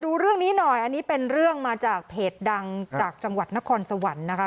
ดูเรื่องนี้หน่อยอันนี้เป็นเรื่องมาจากเพจดังจากจังหวัดนครสวรรค์นะคะ